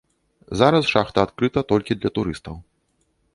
Зараз шахта адкрыта толькі для турыстаў.